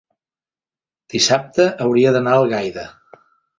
Dissabte hauria d'anar a Algaida.